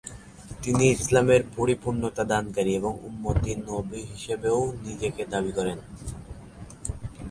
তিনি ইসলামের পরিপূর্ণতা দানকারী একজন উম্মতি নবী হিসেবেও নিজেকে দাবী করেন।